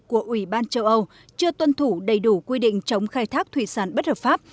của ủy ban châu âu chưa tuân thủ đầy đủ quy định chống khai thác thủy sản bất hợp pháp